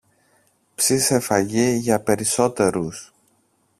Ψήσε φαγί για περισσότερους